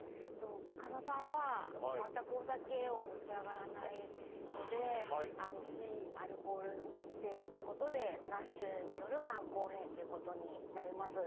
神田さんは全くお酒を召し上がらないので非アルコール性っていうことでＮＡＳＨによる肝硬変っていうことになります。